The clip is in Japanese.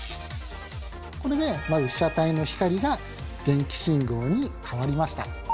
これでまず被写体の光が電気信号に変わりました。